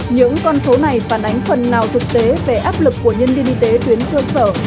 những con số này phản ánh phần nào thực tế về áp lực của nhân viên y tế tuyến cơ sở